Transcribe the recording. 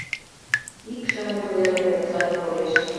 Ик шымур веле оксат кодеш.